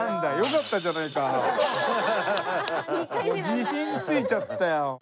自信ついちゃったよ。